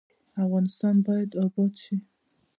افغانستان باید اباد شي